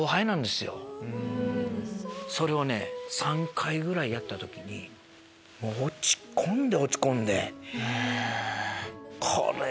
それを３回ぐらいやった時に落ち込んで落ち込んで。